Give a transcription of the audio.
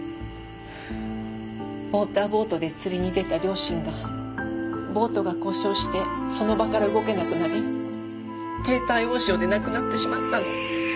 モーターボートで釣りに出た両親がボートが故障してその場から動けなくなり低体温症で亡くなってしまったの。